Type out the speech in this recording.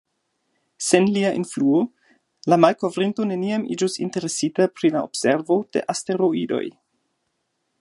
Sen lia influo, la malkovrinto neniam iĝus interesita pri la observo de asteroidoj.